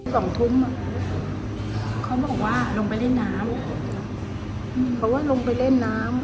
เขาบอกว่าลงไปเล่นน้ำ